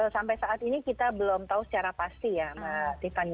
sampai saat ini kita belum tahu secara pasti ya